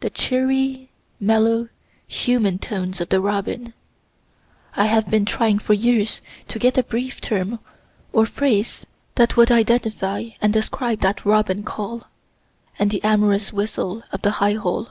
the cheery, mellow, human tones of the robin (I have been trying for years to get a brief term, or phrase, that would identify and describe that robin call) and the amorous whistle of the high hole.